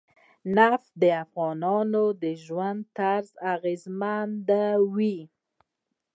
نفت د افغانانو د ژوند طرز اغېزمنوي.